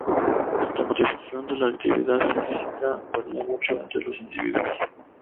La contribución de la actividad física varía mucho entre los individuos.